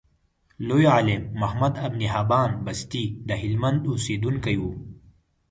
لوی عالم محمد ابن حبان بستي دهلمند اوسیدونکی و.